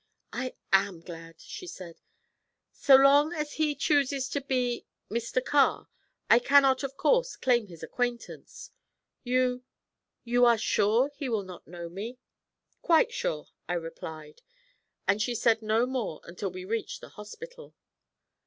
'I am glad!' she said. 'So long as he chooses to be Mr. Carr, I cannot of course claim his acquaintance. You you are sure he will not know me?' 'Quite sure,' I replied; and she said no more until we had reached the hospital.